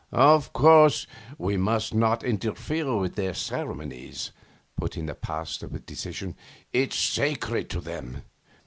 'Of course we must not interfere with their ceremonies,' put in the Pasteur with decision. 'It's sacred to them.